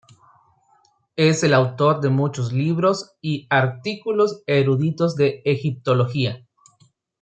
Es el autor de muchos libros y artículos eruditos de egiptología.